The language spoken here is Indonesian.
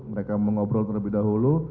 mereka mengobrol terlebih dahulu